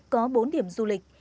có bốn điểm du lịch